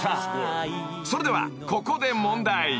［それではここで］